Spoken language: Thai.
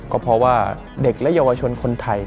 ก็เพราะว่าเด็กและเยาวชนคนไทย